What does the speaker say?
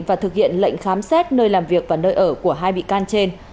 và thực hiện lệnh khám xét nơi làm việc và nơi ở của hai bị can trên